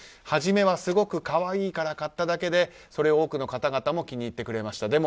初めは、すごく可愛いから買っただけでそれを多くの方々も気に入ってくれました。